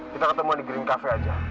kita ketemuan di green cafe aja